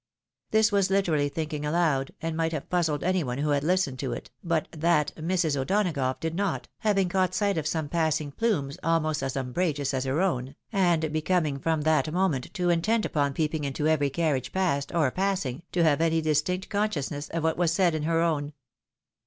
This was literally thinking aloud, and might have puzzled any one who had listened to it, but that Mrs. O'Donagough did not, having caught sight of some passing plumes almost as umbrageous as her own, and becoming from that moment too intent upon peeping into every carriage passed, or passing, to have any distinct consciousness of what was said in her own.